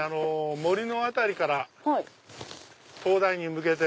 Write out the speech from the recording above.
森の辺りから灯台に向けて。